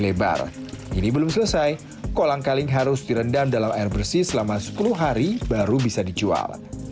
lebar ini belum selesai kolang kaling harus direndam dalam air bersih selama sepuluh hari baru bisa dijual